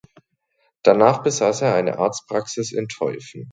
Danach besass er eine Arztpraxis in Teufen.